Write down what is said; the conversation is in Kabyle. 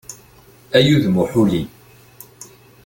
Ay udem n uḥuli!